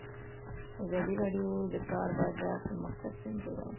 ازادي راډیو د د کار بازار پرمختګ سنجولی.